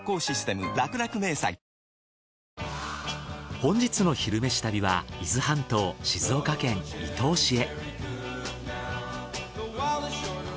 本日の「昼めし旅」は伊豆半島静岡県伊東市へ。